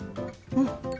うん！